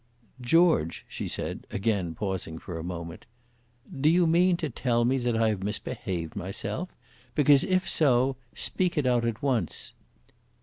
"George," she said, again pausing for a moment, "do you mean to tell me that I have misbehaved myself? Because, if so, speak it out at once."